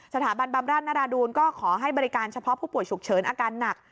บำราชนราดูนก็ขอให้บริการเฉพาะผู้ป่วยฉุกเฉินอาการหนัก